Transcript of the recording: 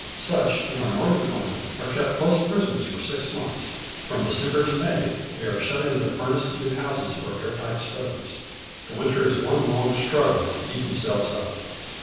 Such, in our Northern climate, are kept close prisoners for six months. From December to May, they are shut in to furnace heated houses or air tight stoves. The winter is one long struggle to keep themselves up.